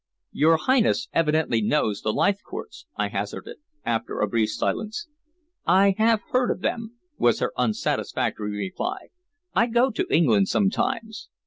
"Your Highness evidently knows the Leithcourts," I hazarded, after a brief silence. "I have heard of them," was her unsatisfactory reply. "I go to England sometimes.